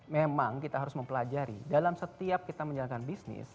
memang kita harus mempelajari dalam setiap kita menjalankan bisnis